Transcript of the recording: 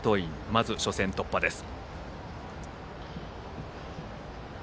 まず初戦突破です。